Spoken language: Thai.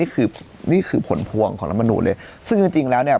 นี่คือนี่คือผลพวงของรัฐมนูลเลยซึ่งจริงจริงแล้วเนี่ย